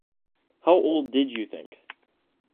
How old did you think?